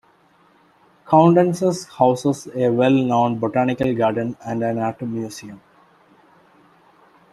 Coutances houses a well-known botanical garden and an art museum.